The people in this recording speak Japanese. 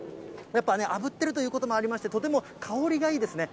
やっぱね、あぶっているということもありまして、とても香りがいいですね。